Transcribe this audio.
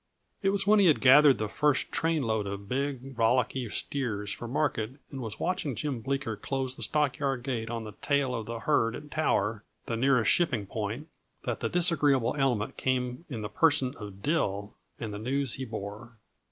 It was when he had gathered the first train load of big, rollicky steers for market and was watching Jim Bleeker close the stockyard gate on the tail of the herd at Tower, the nearest shipping point, that the disagreeable element came in the person of Dill and the news he bore.